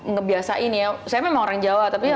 ngebiasain ya saya memang orang jawa tapi